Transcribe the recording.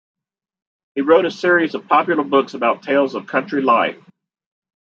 He wrote a series of popular books about tales of country life.